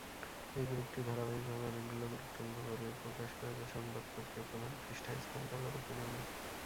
এই গ্রুপটি ধারাবাহিকভাবে অনেকগুলো গুরুত্বপূর্ণ দলিল প্রকাশ করে যা সংবাদপত্রের প্রধান পৃষ্ঠায় স্থান পাবার উপযোগী।